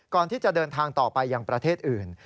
ก่อนที่จะเดินทางต่อไปยังประเทศอื่น